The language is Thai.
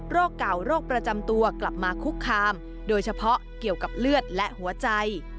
เก่าโรคประจำตัวกลับมาคุกคามโดยเฉพาะเกี่ยวกับเลือดและหัวใจ